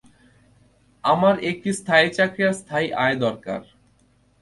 আমার একটি স্থায়ী চাকরি আর স্থায়ী আয় দরকার।